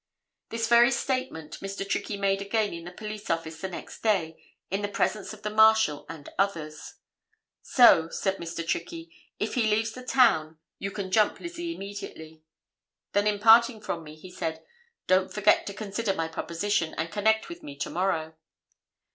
This very statement, Mr. Trickey made again in the police office the next day in the presence of the Marshal and others. 'So,' said Mr. Trickey, 'if he leaves the town, you can jump Lizzie immediately.' Then in parting from me, he said, 'Don't forget to consider my proposition, and connect with me to morrow.